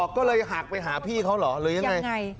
ก็เลยหักไปหาพี่เขาเหรอหรือยังไง